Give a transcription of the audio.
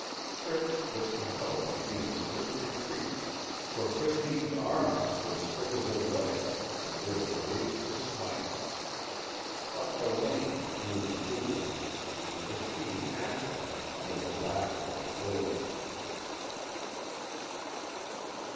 Fritz was compelled to beat a swift retreat, for Christine's arms were as thick as her legs, and they were raised to smite. Up the lane flew the fool, and Christine after him, amid the laughter of the villagers.